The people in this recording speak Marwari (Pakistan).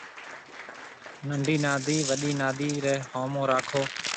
ننڊِي نادِي وڏِي نادِي رَي سامون راکو